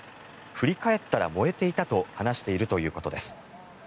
振り返ったら燃えていたと話しているということです。